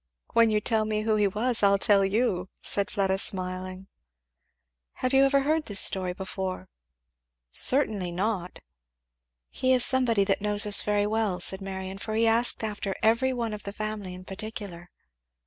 "When you tell me who he was I'll tell you," said Fleda smiling. "Have you ever heard this story before?" "Certainly not!" "He is somebody that knows us very well," said Marion, "for he asked after every one of the family in particular."